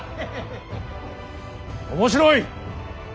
面白い。